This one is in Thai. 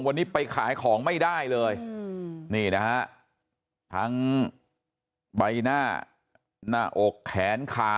วันนี้ไปขายของไม่ได้เลยนี่นะฮะทั้งใบหน้าหน้าอกแขนขา